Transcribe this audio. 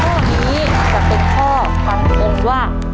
ข้อนี้จะเป็นข้อความเต็มว่า